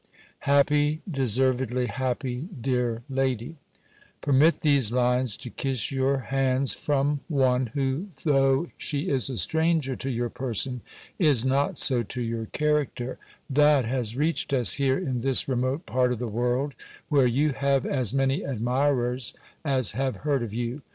_ "HAPPY, DESERVEDLY HAPPY, DEAR LADY, "Permit these lines to kiss your hands from one, who, though she is a stranger to your person, is not so to your character: that has reached us here, in this remote part of the world, where you have as many admirers as have heard of you.